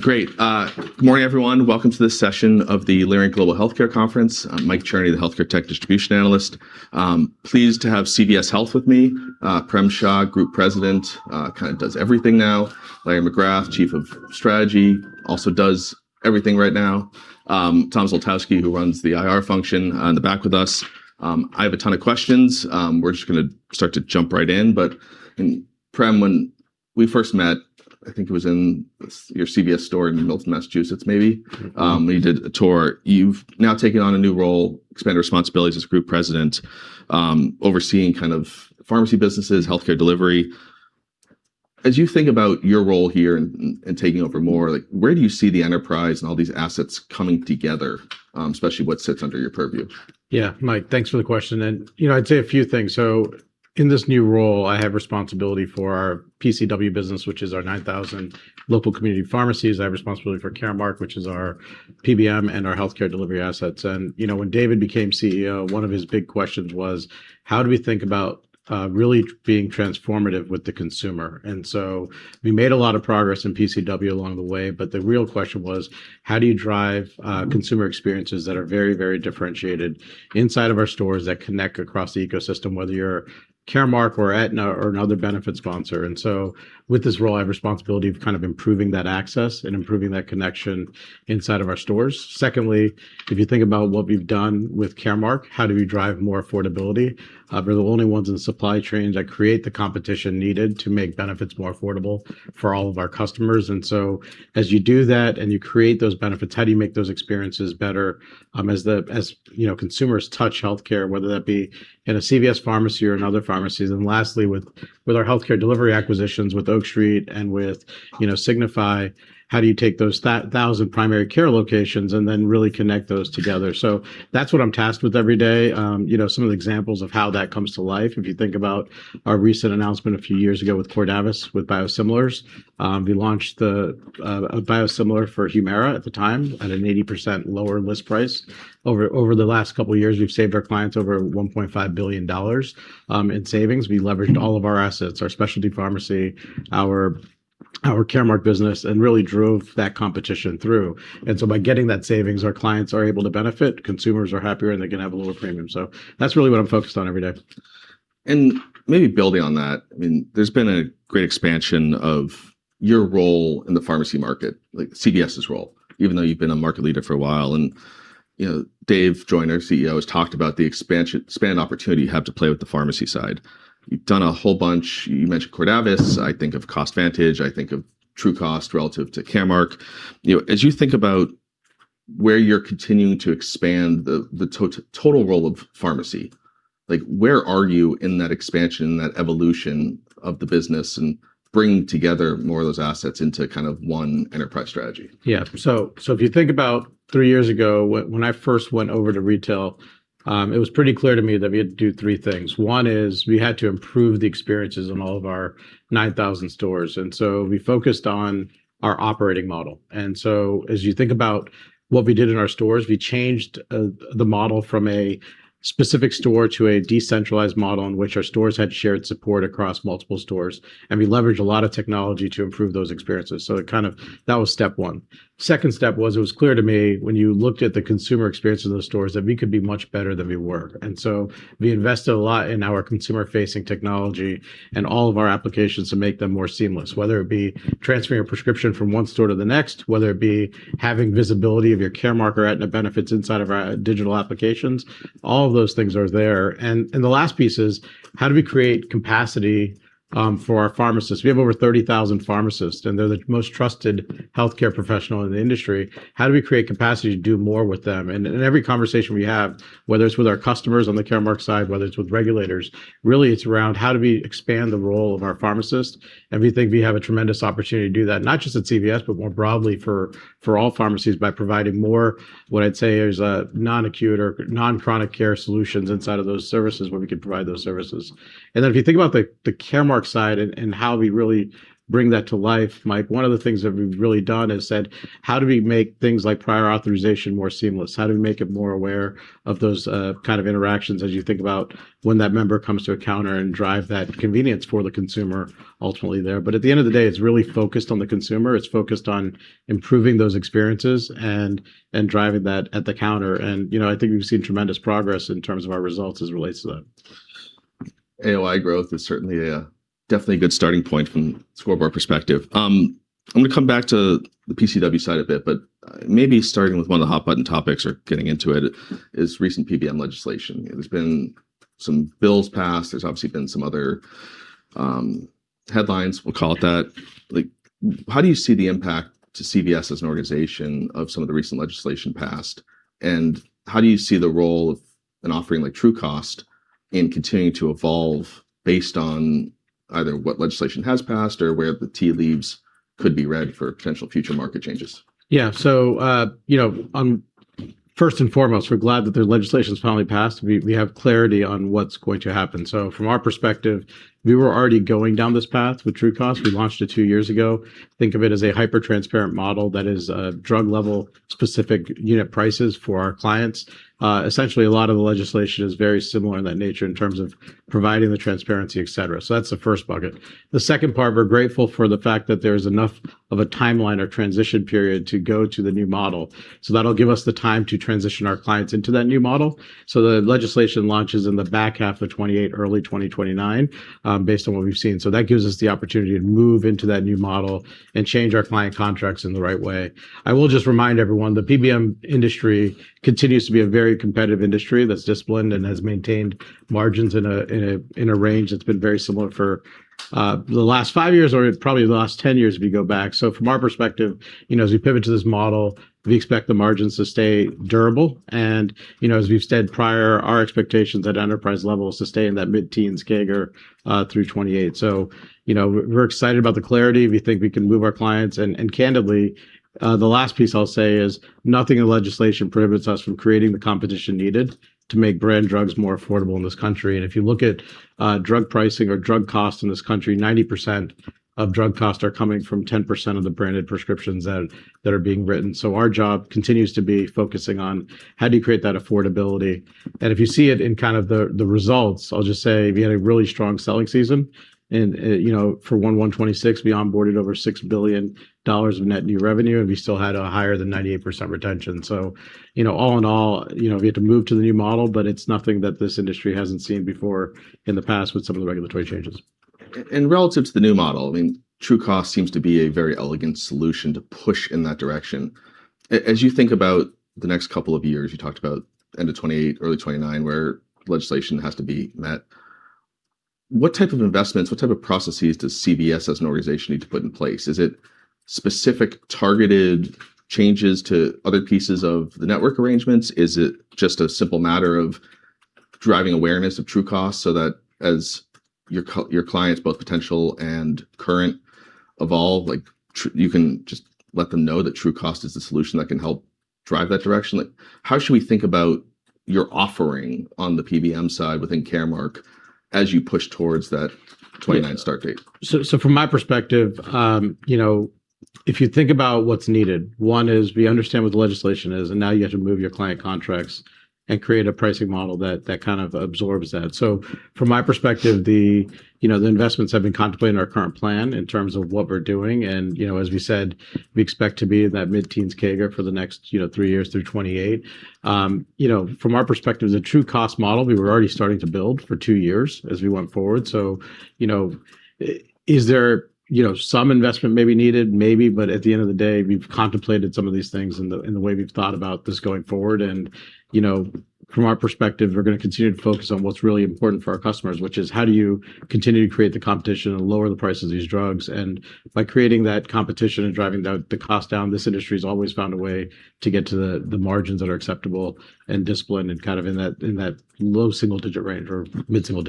Great. Good morning, everyone. Welcome to this session of the Leerink Global Healthcare Conference. I'm Mike Cherny, the healthcare tech distribution analyst. Pleased to have CVS Health with me. Prem Shah, Group President, kinda does everything now. Larry McGrath, Chief of Strategy, also does everything right now. Tom Zoltowski, who runs the IR function, in the back with us. I have a ton of questions. We're just gonna start to jump right in, but and Prem, when we first met, I think it was in your CVS store in Milton, Massachusetts, maybe?... when you did a tour. You've now taken on a new role, expanded responsibilities as group president, overseeing kind of pharmacy businesses, healthcare delivery. As you think about your role here and taking over more, like where do you see the enterprise and all these assets coming together, especially what sits under your purview? Yeah. Mike, thanks for the question. You know, I'd say a few things. In this new role, I have responsibility for our PCW business, which is our 9,000 local community pharmacies. I have responsibility for Caremark, which is our PBM and our healthcare delivery assets. You know, when David became CEO, one of his big questions was, "How do we think about really being transformative with the consumer?" We made a lot of progress in PCW along the way, but the real question was, how do you drive consumer experiences that are very, very differentiated inside of our stores that connect across the ecosystem, whether you're Caremark or Aetna or another benefit sponsor? With this role, I have responsibility of kind of improving that access and improving that connection inside of our stores. Secondly, if you think about what we've done with Caremark, how do we drive more affordability? We're the only ones in the supply chain that create the competition needed to make benefits more affordable for all of our customers. As you do that and you create those benefits, how do you make those experiences better, as the, you know, consumers touch healthcare, whether that be in a CVS Pharmacy or in other pharmacies? Lastly, with our healthcare delivery acquisitions, with Oak Street and with, you know, Signify, how do you take those thousand primary care locations and then really connect those together? That's what I'm tasked with every day. You know, some of the examples of how that comes to life, if you think about our recent announcement a few years ago with Cordavis, with biosimilars, we launched a biosimilar for Humira at the time at an 80% lower list price. Over the last couple years, we've saved our clients over $1.5 billion in savings. We leveraged all of our assets, our specialty pharmacy, our Caremark business, and really drove that competition through. By getting that savings, our clients are able to benefit, consumers are happier, and they can have a lower premium. That's really what I'm focused on every day. Maybe building on that, I mean, there's been a great expansion of your role in the pharmacy market, like CVS's role, even though you've been a market leader for a while. You know, Dave Joyner, CEO, has talked about the expansion, expand opportunity you have to play with the pharmacy side. You've done a whole bunch. You mentioned Cordavis. I think of CostVantage. I think of TrueCost relative to Caremark. You know, as you think about where you're continuing to expand the total role of pharmacy, like, where are you in that expansion, that evolution of the business and bringing together more of those assets into kind of one enterprise strategy? Yeah. If you think about three years ago when I first went over to retail, it was pretty clear to me that we had to do three things. One is we had to improve the experiences in all of our 9,000 stores. We focused on our operating model. As you think about what we did in our stores, we changed the model from a specific store to a decentralized model in which our stores had shared support across multiple stores. We leveraged a lot of technology to improve those experiences. It kind of, that was step one. Second step was it was clear to me when you looked at the consumer experience in those stores that we could be much better than we were. We invested a lot in our consumer-facing technology and all of our applications to make them more seamless, whether it be transferring a prescription from one store to the next, whether it be having visibility of your Caremark or Aetna benefits inside of our digital applications. All of those things are there. The last piece is how do we create capacity for our pharmacists? We have over 30,000 pharmacists, and they're the most trusted healthcare professional in the industry. How do we create capacity to do more with them? In every conversation we have, whether it's with our customers on the Caremark side, whether it's with regulators, really it's around how do we expand the role of our pharmacists? We think we have a tremendous opportunity to do that, not just at CVS, but more broadly for all pharmacies by providing more, what I'd say is, non-acute or non-chronic care solutions inside of those services where we can provide those services. If you think about the Caremark side and how we really bring that to life, Mike, one of the things that we've really done is said, how do we make things like prior authorization more seamless? How do we make it more aware of those kind of interactions as you think about when that member comes to a counter and drive that convenience for the consumer ultimately there? At the end of the day, it's really focused on the consumer. It's focused on improving those experiences and driving that at the counter. You know, I think we've seen tremendous progress in terms of our results as it relates to that. AOI growth is certainly a definitely good starting point from scoreboard perspective. I'm gonna come back to the PCW side a bit, but maybe starting with one of the hot button topics or getting into it is recent PBM legislation. There's been some bills passed. There's obviously been some other headlines, we'll call it that. Like how do you see the impact to CVS as an organization of some of the recent legislation passed, and how do you see the role of an offering like TrueCost in continuing to evolve based on either what legislation has passed or where the tea leaves could be ready for potential future market changes? Yeah. You know, first and foremost, we're glad that the legislation's finally passed. We have clarity on what's going to happen. From our perspective, we were already going down this path with TrueCost. We launched it two years ago. Think of it as a hyper-transparent model that is drug-level specific unit prices for our clients. Essentially, a lot of the legislation is very similar in that nature in terms of providing the transparency, et cetera. That's the first bucket. The second part, we're grateful for the fact that there's enough of a timeline or transition period to go to the new model. That'll give us the time to transition our clients into that new model. The legislation launches in the back half of 2028, early 2029, based on what we've seen. That gives us the opportunity to move into that new model and change our client contracts in the right way. I will just remind everyone, the PBM industry continues to be a very competitive industry that's disciplined and has maintained margins in a range that's been very similar for the last 5 years or probably the last 10 years if you go back. From our perspective, you know, as we pivot to this model, we expect the margins to stay durable. You know, as we've said prior, our expectations at enterprise level is to stay in that mid-teens CAGR through 2028. You know, we're excited about the clarity. We think we can move our clients. Candidly, the last piece I'll say is nothing in the legislation prohibits us from creating the competition needed to make brand drugs more affordable in this country. If you look at drug pricing or drug costs in this country, 90% of drug costs are coming from 10% of the branded prescriptions that are being written. Our job continues to be focusing on how do you create that affordability. If you see it in kind of the results, I'll just say we had a really strong selling season in, you know, for 1/1/2026, we onboarded over $6 billion of net new revenue, and we still had a higher than 98% retention. you know, all in all, you know, we had to move to the new model, but it's nothing that this industry hasn't seen before in the past with some of the regulatory changes. relative to the new model, I mean, TrueCost seems to be a very elegant solution to push in that direction. As you think about the next couple of years, you talked about end of 2028, early 2029, where legislation has to be met? What type of investments, what type of processes does CVS as an organization need to put in place? Is it specific targeted changes to other pieces of the network arrangements? Is it just a simple matter of driving awareness of TrueCost so that as your clients, both potential and current, evolve, like, you can just let them know that TrueCost is the solution that can help drive that direction? Like, how should we think about your offering on the PBM side within Caremark as you push towards that 29th start date? From my perspective, you know, if you think about what's needed, one is we understand what the legislation is, and now you have to move your client contracts and create a pricing model that kind of absorbs that. From my perspective, the, you know, the investments have been contemplated in our current plan in terms of what we're doing. You know, as we said, we expect to be in that mid-teens CAGR for the next, you know, three years through 2028. You know, from our perspective, the TrueCost model, we were already starting to build for two years as we went forward. You know, is there, you know, some investment maybe needed? Maybe. But at the end of the day, we've contemplated some of these things in the way we've thought about this going forward. You know, from our perspective, we're gonna continue to focus on what's really important for our customers, which is how do you continue to create the competition and lower the price of these drugs. By creating that competition and driving the cost down, this industry's always found a way to get to the margins that are acceptable and disciplined and kind of in that low single digit range or mid-single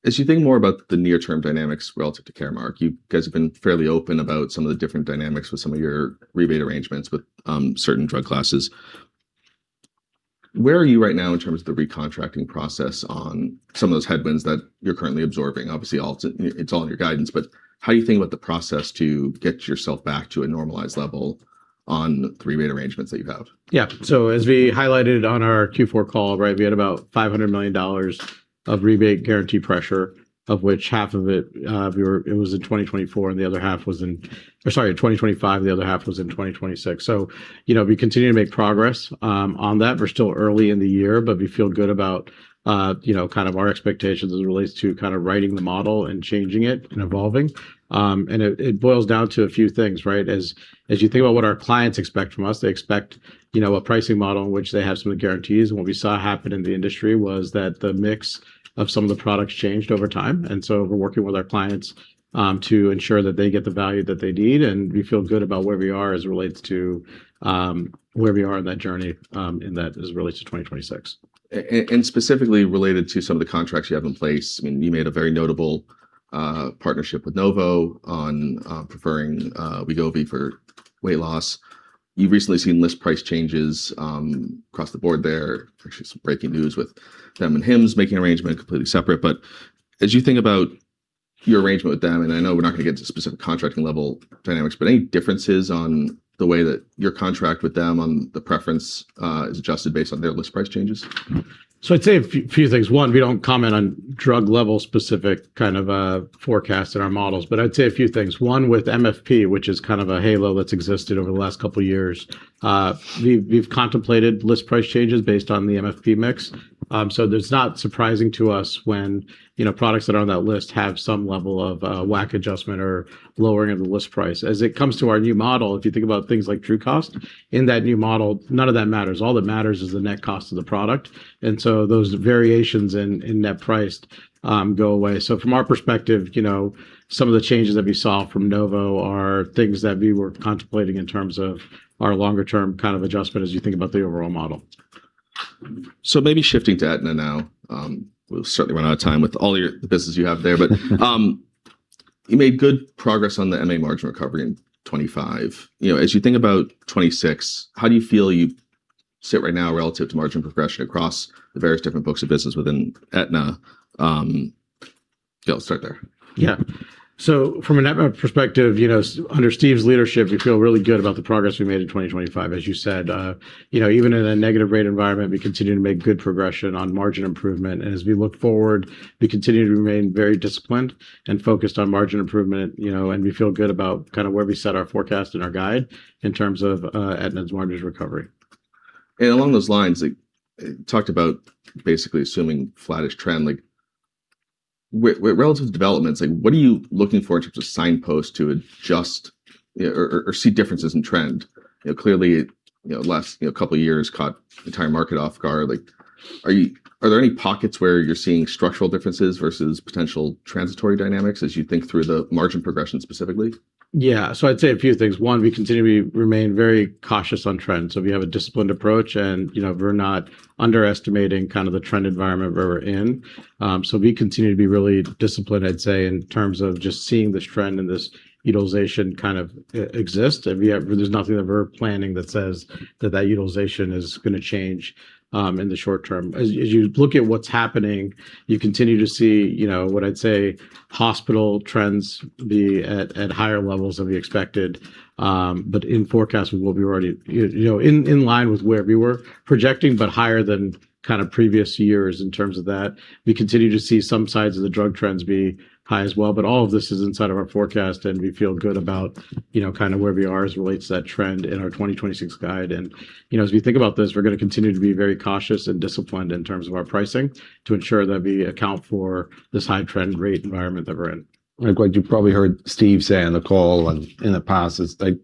digit range. As you think more about the near term dynamics relative to Caremark, you guys have been fairly open about some of the different dynamics with some of your rebate arrangements with certain drug classes. Where are you right now in terms of the recontracting process on some of those headwinds that you're currently absorbing? Obviously, it's all in your guidance, but how are you thinking about the process to get yourself back to a normalized level on the three main arrangements that you have? As we highlighted on our Q4 call, right, we had about $500 million of rebate guarantee pressure, of which half of it was in 2024, and the other half was in 2025, the other half was in 2026. You know, we continue to make progress on that. We're still early in the year, but we feel good about, you know, kind of our expectations as it relates to kind of writing the model and changing it and evolving. And it boils down to a few things, right? As you think about what our clients expect from us, they expect, you know, a pricing model in which they have some guarantees. What we saw happen in the industry was that the mix of some of the products changed over time. We're working with our clients, to ensure that they get the value that they need, and we feel good about where we are as it relates to, where we are in that journey, and that as it relates to 2026. Specifically related to some of the contracts you have in place, I mean, you made a very notable partnership with Novo on preferring Wegovy for weight loss. You've recently seen list price changes across the board there. Actually, some breaking news with them and HIMSS making arrangement completely separate. As you think about your arrangement with them, and I know we're not gonna get to specific contracting level dynamics, but any differences on the way that your contract with them on the preference is adjusted based on their list price changes? I'd say a few things. One, we don't comment on drug level specific kind of forecasts in our models, but I'd say a few things. One, with MFP, which is kind of a halo that's existed over the last couple years, we've contemplated list price changes based on the MFP mix. There's not surprising to us when, you know, products that are on that list have some level of WAC adjustment or lowering of the list price. As it comes to our new model, if you think about things like TrueCost, in that new model, none of that matters. All that matters is the net cost of the product. Those variations in net price go away. From our perspective, you know, some of the changes that we saw from Novo are things that we were contemplating in terms of our longer term kind of adjustment as you think about the overall model. Maybe shifting to Aetna now. We'll certainly run out of time with all your business you have there. You made good progress on the MA margin recovery in 2025. You know, as you think about 2026, how do you feel you sit right now relative to margin progression across the various different books of business within Aetna? Yeah, let's start there. From an Aetna perspective, you know, under Steve's leadership, we feel really good about the progress we made in 2025, as you said. You know, even in a negative rate environment, we continue to make good progression on margin improvement. As we look forward, we continue to remain very disciplined and focused on margin improvement, you know, and we feel good about kind of where we set our forecast and our guide in terms of Aetna's margins recovery. Along those lines, like, talked about basically assuming flattish trend, like with relative developments, like what are you looking for in terms of signpost to adjust or see differences in trend? You know, clearly, you know, last, you know, two years caught the entire market off guard. Like, are there any pockets where you're seeing structural differences versus potential transitory dynamics as you think through the margin progression specifically? Yeah. I'd say a few things. One, we continue to remain very cautious on trends, we have a disciplined approach, you know, we're not underestimating kind of the trend environment we're in. We continue to be really disciplined, I'd say, in terms of just seeing this trend and this utilization kind of e-exist. I mean, there's nothing that we're planning that says that that utilization is gonna change in the short term. As you look at what's happening, you continue to see, you know, what I'd say hospital trends be at higher levels than we expected, in forecast we will be already, you know, in line with where we were projecting, higher than kind of previous years in terms of that. We continue to see some sides of the drug trends be high as well, but all of this is inside of our forecast and we feel good about, you know, kind of where we are as it relates to that trend in our 2026 guide. You know, as we think about this, we're gonna continue to be very cautious and disciplined in terms of our pricing to ensure that we account for this high trend rate environment that we're in. Like what you probably heard Steve say on the call and in the past is, like,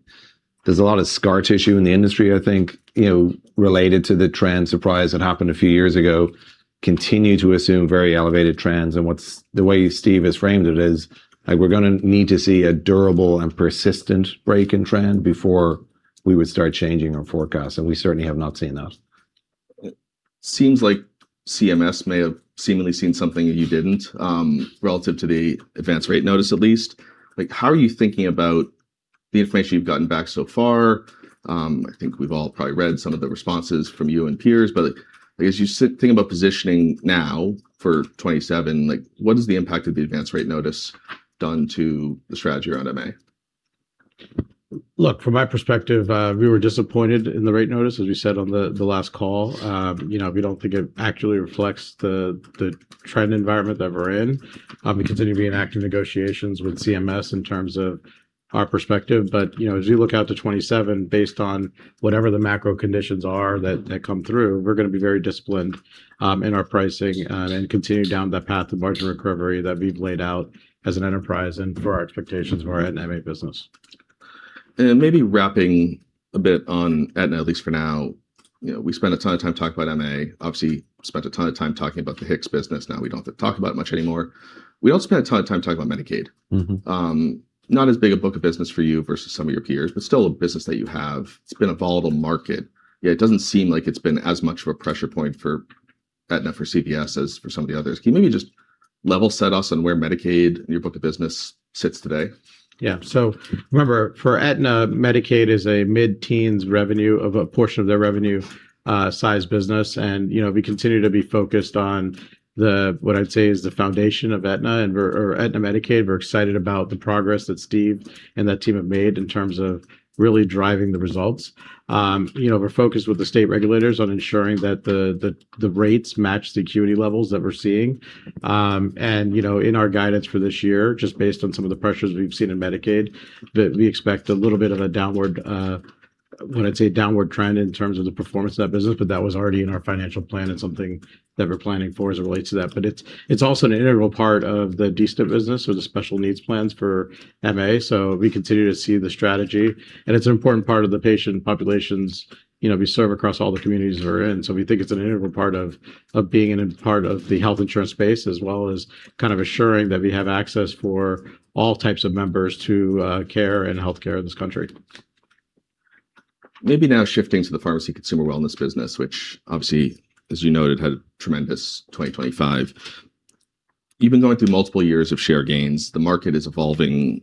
there's a lot of scar tissue in the industry, I think, you know, related to the trend surprise that happened a few years ago, continue to assume very elevated trends and the way Steve has framed it is, like we're gonna need to see a durable and persistent break in trend before we would start changing our forecast, and we certainly have not seen that. Seems like CMS may have seemingly seen something you didn't, relative to the Advance Rate Notice at least. Like, how are you thinking about the information you've gotten back so far? I think we've all probably read some of the responses from you and peers, but I guess you think about positioning now for 2027, like what is the impact of the Advance Rate Notice done to the strategy around MA? From my perspective, we were disappointed in the Rate Notice, as we said on the last call. You know, we don't think it actually reflects the trend environment that we're in. We continue to be in active negotiations with CMS in terms of our perspective. You know, as we look out to 27, based on whatever the macro conditions are that come through, we're gonna be very disciplined in our pricing and continuing down that path of margin recovery that we've laid out as an enterprise and for our expectations of our MA business. Maybe wrapping a bit on Aetna, at least for now. You know, we spent a ton of time talking about MA. Obviously spent a ton of time talking about the HIX business. We don't have to talk about it much anymore. We all spent a ton of time talking about Medicaid. Not as big a book of business for you versus some of your peers, but still a business that you have. It's been a volatile market, yet it doesn't seem like it's been as much of a pressure point for Aetna for CVS as for some of the others. Can you maybe just level set us on where Medicaid and your book of business sits today? Yeah. Remember, for Aetna, Medicaid is a mid-teens revenue of a portion of their revenue, size business. you know, we continue to be focused on the, what I'd say is the foundation of Aetna or Aetna Medicaid. We're excited about the progress that Steve and that team have made in terms of really driving the results. you know, we're focused with the state regulators on ensuring that the rates match the acuity levels that we're seeing. and, you know, in our guidance for this year, just based on some of the pressures we've seen in Medicaid, that we expect a little bit of a downward, what I'd say, downward trend in terms of the performance of that business, but that was already in our financial plan and something that we're planning for as it relates to that. It's also an integral part of the D-SNP business with the Special Needs Plans for MA. We continue to see the strategy, and it's an important part of the patient populations, you know, we serve across all the communities we're in. We think it's an integral part of being a part of the health insurance space, as well as kind of assuring that we have access for all types of members to care and healthcare in this country. Maybe now shifting to the pharmacy consumer wellness business, which obviously, as you noted, had a tremendous 2025. You've been going through multiple years of share gains. The market is evolving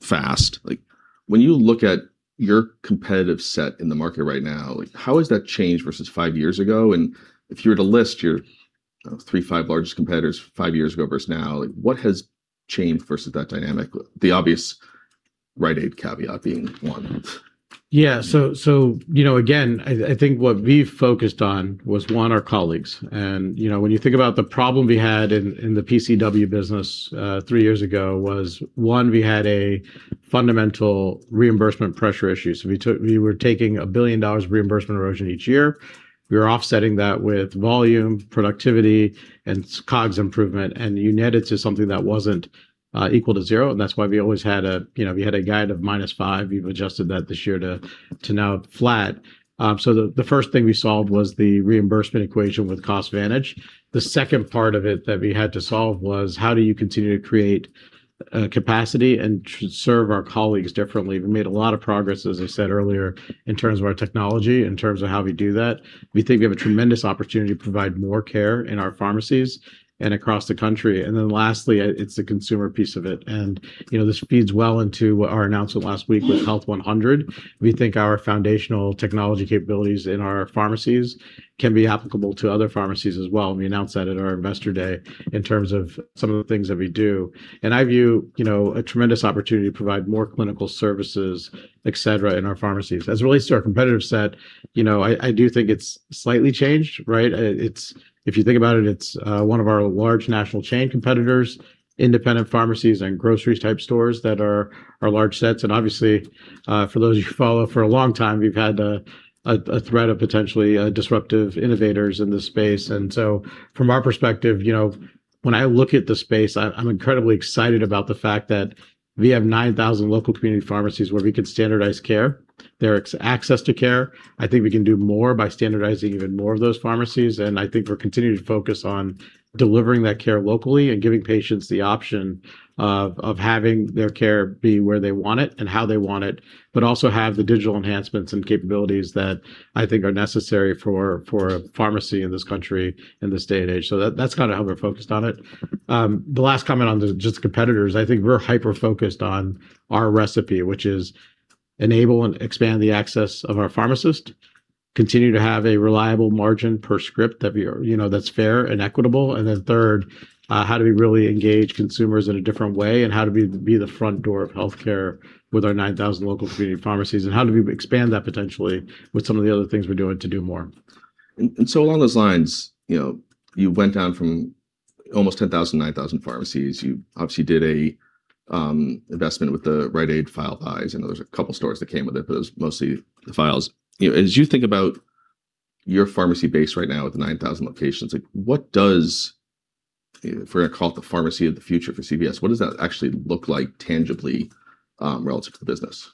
fast. Like, when you look at your competitive set in the market right now, like how has that changed versus 5 years ago? If you were to list your 3-5 largest competitors five years ago versus now, like what has changed versus that dynamic? The obvious Rite Aid caveat being one. Yeah. You know, again, I think what we've focused on was, one, our colleagues. You know, when you think about the problem we had in the PCW business, three years ago, was, one, we had a fundamental reimbursement pressure issue. We were taking $1 billion of reimbursement erosion each year. We were offsetting that with volume, productivity, and COGS improvement, and you net it to something that wasn't equal to zero, and that's why we always had a, you know, we had a guide of -5, we've adjusted that this year to now flat. The, the first thing we solved was the reimbursement equation with CostVantage. The second part of it that we had to solve was how do you continue to create capacity and serve our colleagues differently. We made a lot of progress, as I said earlier, in terms of our technology, in terms of how we do that. We think we have a tremendous opportunity to provide more care in our pharmacies and across the country. Lastly, it's the consumer piece of it. You know, this feeds well into what our announcement last week with Health100. We think our foundational technology capabilities in our pharmacies can be applicable to other pharmacies as well, and we announced that at our Investor Day in terms of some of the things that we do. I view, you know, a tremendous opportunity to provide more clinical services, et cetera, in our pharmacies. As it relates to our competitive set, you know, I do think it's slightly changed, right? If you think about it's one of our large national chain competitors, independent pharmacies and grocery type stores that are large sets. Obviously, for those of you who follow, for a long time we've had a threat of potentially disruptive innovators in this space. From our perspective, you know, when I look at the space, I'm incredibly excited about the fact that we have 9,000 local community pharmacies where we can standardize care. There is access to care. I think we can do more by standardizing even more of those pharmacies, I think we're continuing to focus on delivering that care locally and giving patients the option of having their care be where they want it and how they want it, but also have the digital enhancements and capabilities that I think are necessary for a pharmacy in this country in this day and age. That's kind of how we're focused on it. The last comment on the just competitors, I think we're hyper-focused on our recipe, which is enable and expand the access of our pharmacists, continue to have a reliable margin per script that we are, you know, that's fair and equitable. Third, how do we really engage consumers in a different way, and how do we be the front door of healthcare with our 9,000 local community pharmacies, and how do we expand that potentially with some of the other things we're doing to do more. Along those lines, you know, you went down from almost 10,000, 9,000 pharmacies. You obviously did a investment with the Rite Aid file buys, and there was a couple stores that came with it, but it was mostly the files. You know, as you think about your pharmacy base right now with the 9,000 locations, like, what does if we're gonna call it the pharmacy of the future for CVS, what does that actually look like tangibly, relative to the business?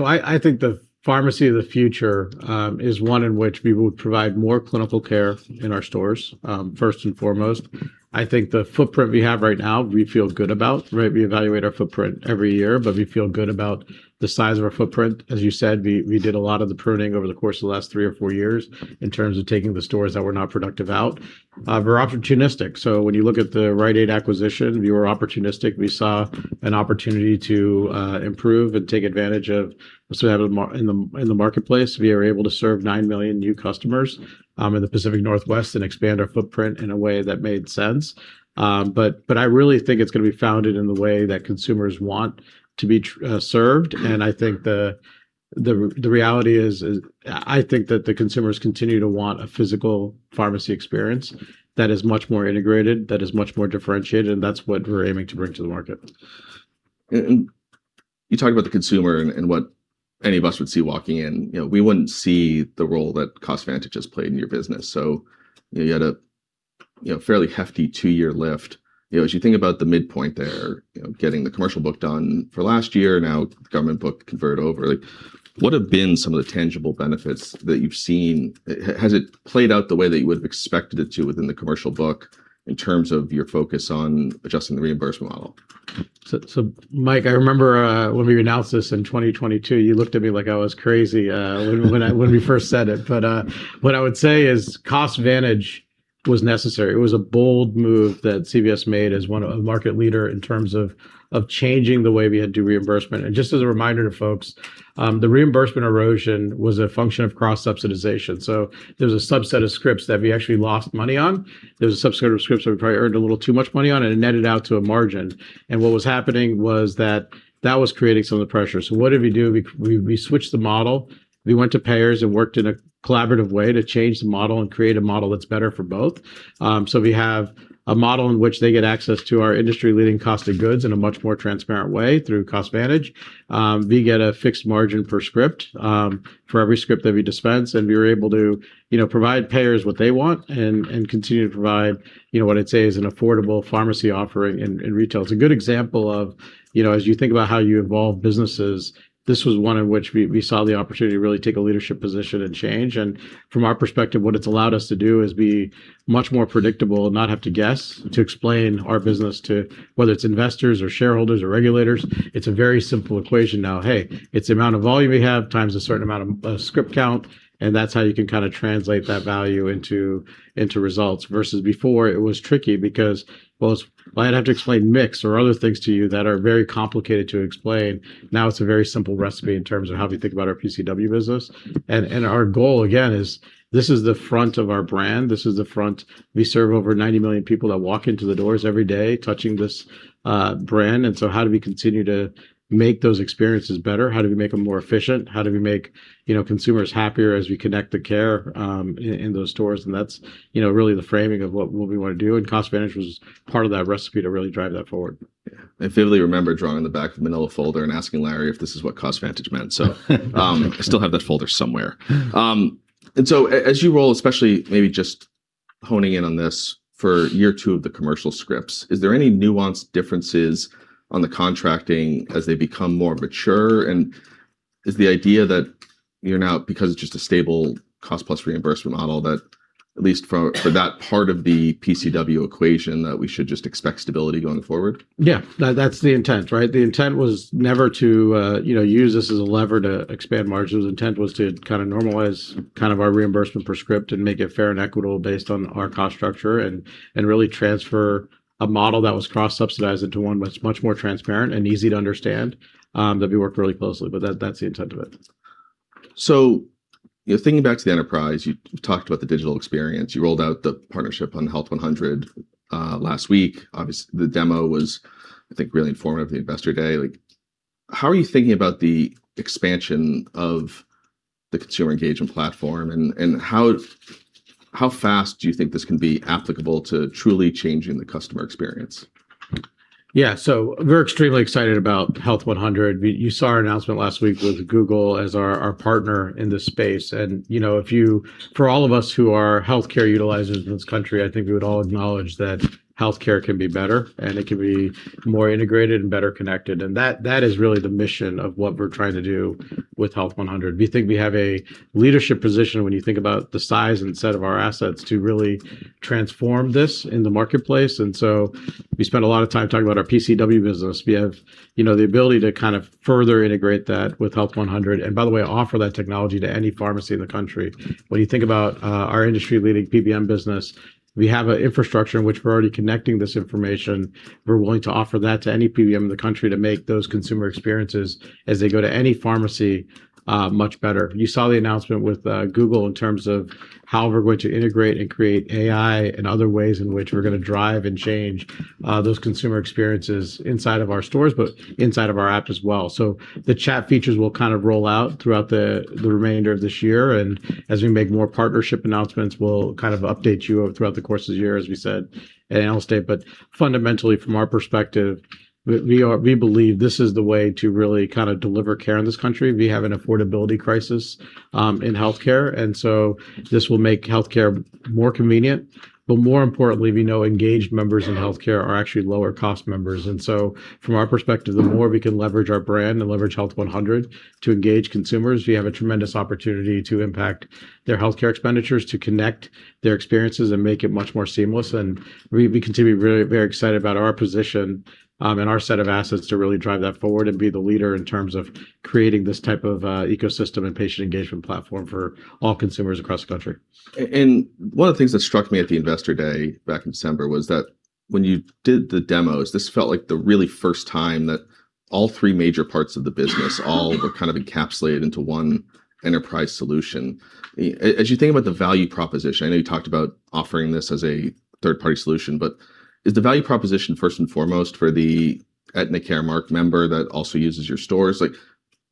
I think the pharmacy of the future is one in which we will provide more clinical care in our stores, first and foremost. I think the footprint we have right now, we feel good about, right? We evaluate our footprint every year, but we feel good about the size of our footprint. As you said, we did a lot of the pruning over the course of the last three or four years in terms of taking the stores that were not productive out. We're opportunistic. When you look at the Rite Aid acquisition, we were opportunistic. We saw an opportunity to improve and take advantage of in the marketplace. We are able to serve 9 million new customers in the Pacific Northwest and expand our footprint in a way that made sense. I really think it's gonna be founded in the way that consumers want to be served. I think the reality is I think that the consumers continue to want a physical pharmacy experience that is much more integrated, that is much more differentiated, and that's what we're aiming to bring to the market. You talked about the consumer and what any of us would see walking in. You know, we wouldn't see the role that CVS CostVantage has played in your business. You had a, you know, fairly hefty two-year lift. You know, as you think about the midpoint there, you know, getting the commercial book done for last year, now the government book convert over, like, what have been some of the tangible benefits that you've seen? Has it played out the way that you would have expected it to within the commercial book in terms of your focus on adjusting the reimbursement model? Mike, I remember when we announced this in 2022, you looked at me like I was crazy when we first said it. What I would say is CostVantage was necessary. It was a bold move that CVS made as a market leader in terms of changing the way we had to do reimbursement. Just as a reminder to folks, the reimbursement erosion was a function of cross-subsidization. There's a subset of scripts that we actually lost money on. There's a subset of scripts that we probably earned a little too much money on, and it netted out to a margin. What was happening was that was creating some of the pressure. What did we do? We switched the model. We went to payers and worked in a collaborative way to change the model and create a model that's better for both. We have a model in which they get access to our industry-leading cost of goods in a much more transparent way through CostVantage. We get a fixed margin per script for every script that we dispense, and we were able to, you know, provide payers what they want and continue to provide, you know, what I'd say is an affordable pharmacy offering in retail. It's a good example of, you know, as you think about how you evolve businesses, this was one in which we saw the opportunity to really take a leadership position and change. From our perspective, what it's allowed us to do is be much more predictable and not have to guess to explain our business to whether it's investors or shareholders or regulators. It's a very simple equation now. Hey, it's the amount of volume we have times a certain amount of script count, and that's how you can kinda translate that value into results. Versus before, it was tricky because, well, I'd have to explain mix or other things to you that are very complicated to explain. Now it's a very simple recipe in terms of how we think about our PCW business. Our goal, again, is this is the front of our brand. This is the front. We serve over 90 million people that walk into the doors every day touching this brand. How do we continue to make those experiences better? How do we make them more efficient? How do we make, you know, consumers happier as we connect the care, in those stores? That's, you know, really the framing of what we wanna do. CVS CostVantage was part of that recipe to really drive that forward. I vividly remember drawing in the back of the manila folder and asking Larry if this is what CVS CostVantage meant. I still have that folder somewhere. As you roll, especially maybe honing in on this for year two of the commercial scripts, is there any nuanced differences on the contracting as they become more mature? Is the idea that you're now, because it's just a stable cost-plus reimbursement model, that at least for that part of the PCW equation, that we should just expect stability going forward? Yeah. No, that's the intent, right? The intent was never to, you know, use this as a lever to expand margins. The intent was to kind of normalize kind of our reimbursement per script and make it fair and equitable based on our cost structure, and really transfer a model that was cross-subsidized into one that's much more transparent and easy to understand, that we worked really closely. That's the intent of it. Thinking back to the enterprise, you talked about the digital experience. You rolled out the partnership on Health100 last week. Obviously, the demo was, I think, really informative at the Investor Day. Like, how are you thinking about the expansion of the consumer engagement platform and how fast do you think this can be applicable to truly changing the customer experience? Yeah. We're extremely excited about Health100. You saw our announcement last week with Google as our partner in this space, and, you know, for all of us who are healthcare utilizers in this country, I think we would all acknowledge that healthcare can be better and it can be more integrated and better connected, and that is really the mission of what we're trying to do with Health100. We think we have a leadership position when you think about the size and set of our assets to really transform this in the marketplace. We spend a lot of time talking about our PCW business. We have, you know, the ability to kind of further integrate that with Health100, and by the way, offer that technology to any pharmacy in the country. When you think about our industry-leading PBM business, we have a infrastructure in which we're already connecting this information. We're willing to offer that to any PBM in the country to make those consumer experiences as they go to any pharmacy, much better. You saw the announcement with Google in terms of how we're going to integrate and create AI and other ways in which we're gonna drive and change those consumer experiences inside of our stores, but inside of our app as well. The chat features will kind of roll out throughout the remainder of this year, and as we make more partnership announcements, we'll kind of update you throughout the course of the year, as we said at Analyst Day. Fundamentally, from our perspective, we believe this is the way to really kind of deliver care in this country. We have an affordability crisis in healthcare, and so this will make healthcare more convenient. More importantly, we know engaged members in healthcare are actually lower cost members. From our perspective, the more we can leverage our brand and leverage Health100 to engage consumers, we have a tremendous opportunity to impact their healthcare expenditures, to connect their experiences and make it much more seamless. We continue to be really very excited about our position and our set of assets to really drive that forward and be the leader in terms of creating this type of ecosystem and patient engagement platform for all consumers across the country. One of the things that struck me at the Investor Day back in December was that when you did the demos, this felt like the really first time that all three major parts of the business all were kind of encapsulated into one enterprise solution. As you think about the value proposition, I know you talked about offering this as a third-party solution, is the value proposition first and foremost for the Aetna Caremark member that also uses your stores? Like,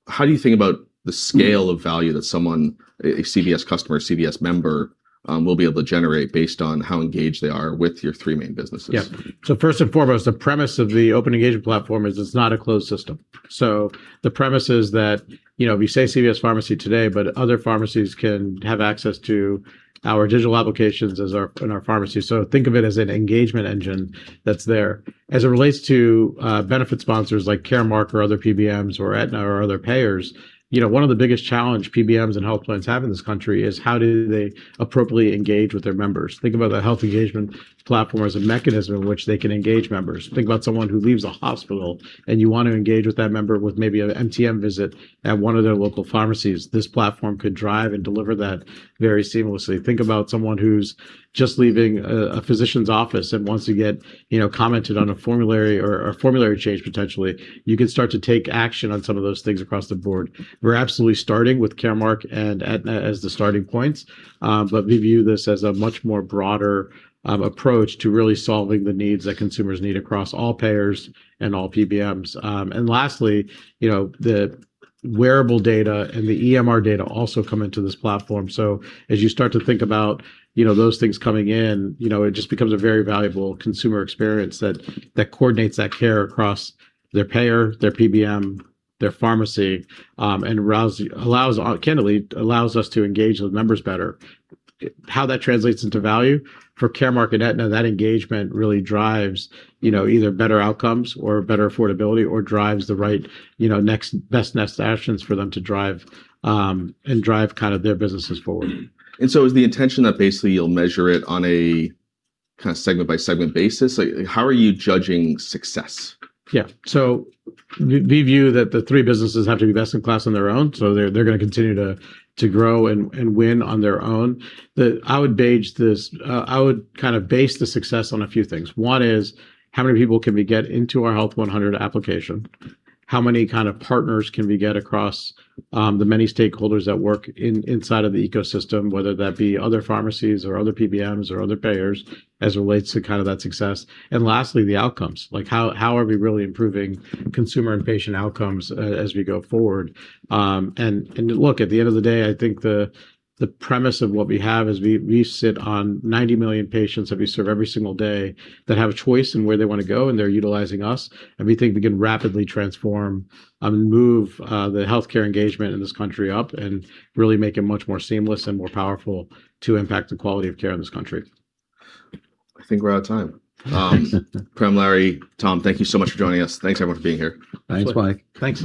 how do you think about the scale of value that someone, a CVS customer or CVS member will be able to generate based on how engaged they are with your three main businesses? Yeah. First and foremost, the premise of the open engagement platform is it's not a closed system. The premise is that, you know, we say CVS Pharmacy today, but other pharmacies can have access to our digital applications as our, in our pharmacy. Think of it as an engagement engine that's there. As it relates to benefit sponsors like Caremark or other PBMs or Aetna or other payers, you know, one of the biggest challenge PBMs and health plans have in this country is how do they appropriately engage with their members? Think about the health engagement platform as a mechanism in which they can engage members. Think about someone who leaves a hospital, and you want to engage with that member with maybe a MTM visit at one of their local pharmacies. This platform could drive and deliver that very seamlessly. Think about someone who's just leaving a physician's office and wants to get, you know, commented on a formulary or a formulary change, potentially. You can start to take action on some of those things across the board. We're absolutely starting with Caremark and Aetna as the starting points, but we view this as a much more broader approach to really solving the needs that consumers need across all payers and all PBMs. Lastly, you know, the wearable data and the EMR data also come into this platform. As you start to think about, you know, those things coming in, you know, it just becomes a very valuable consumer experience that coordinates that care across their payer, their PBM, their pharmacy, and candidly allows us to engage with members better. How that translates into value for Caremark and Aetna, that engagement really drives, you know, either better outcomes or better affordability or drives the right, you know, next, best next actions for them to drive, and drive kind of their businesses forward. Is the intention that basically you'll measure it on a kind of segment by segment basis? How are you judging success? Yeah. We view that the three businesses have to be best in class on their own, so they're gonna continue to grow and win on their own. I would gauge this, I would kind of base the success on a few things. One is, how many people can we get into our Health100 application? How many kind of partners can we get across the many stakeholders that work inside of the ecosystem, whether that be other pharmacies or other PBMs or other payers, as it relates to kind of that success? Lastly, the outcomes. Like how are we really improving consumer and patient outcomes as we go forward? Look, at the end of the day, I think the premise of what we have is we sit on 90 million patients that we serve every single day that have a choice in where they wanna go, and they're utilizing us, and we think we can rapidly transform, and move, the healthcare engagement in this country up and really make it much more seamless and more powerful to impact the quality of care in this country. I think we're out of time. Prem, Larry, Tom, thank you so much for joining us. Thanks everyone for being here. Thanks, Mike. Thanks.